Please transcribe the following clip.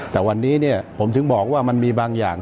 แต่วันนี้ผมถึงบอกว่ามันมีบางอย่าง